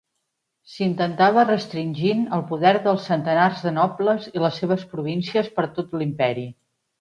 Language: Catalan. S'intentava restringint el poder dels centenars de nobles i les seves províncies per tot l'Imperi.